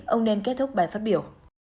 ông nên kết thúc bài phát biểu